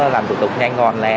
làm thủ tục nhanh ngòn lẹ